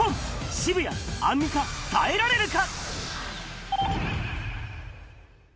渋谷、アンミカ、耐えられるか？